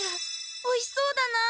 おいしそうだな。